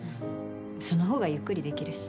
そのほうがゆっくりできるし。